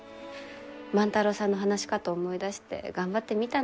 万太郎さんの話し方思い出して頑張ってみたんですけどね。